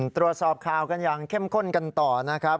ตรวจสอบข่าวกันอย่างเข้มข้นกันต่อนะครับ